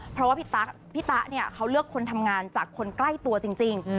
เพราะว่าพี่ตะเนี่ยเขาเลือกคนทำงานจากคนใกล้ตัวจริง